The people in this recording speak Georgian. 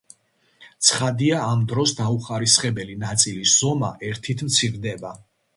ცხადია, ამ დროს დაუხარისხებელი ნაწილის ზომა ერთით მცირდება.